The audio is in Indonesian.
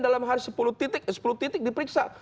dalam hal sepuluh titik sepuluh titik diperiksa